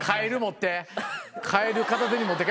カエル持って。